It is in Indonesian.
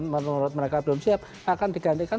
menurut mereka belum siap akan digantikan